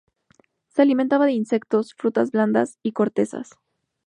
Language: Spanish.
Se alimenta de insectos, frutas blandas y cortezas.